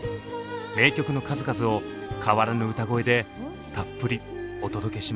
名曲の数々を変わらぬ歌声でたっぷりお届けします。